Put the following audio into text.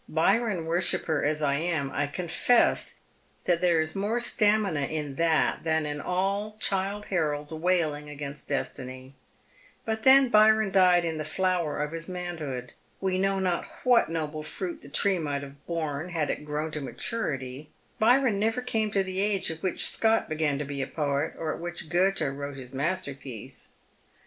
" Byron worshipper as I am, I confess that there is more stamina in that than in all Childe Harold's wailing against destinj\ But then Byron died in the flower of his manhood. We know not what noble fruit the tree might have borne had it grown to maturity. Byron never came to the age at which Scott began to be a poet, or at which Goethe wrote his masterpiece."